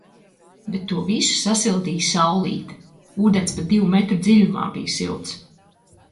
Bet to visu sasildīja Saulīte. Ūdens pat divu metru dziļumā bija silts.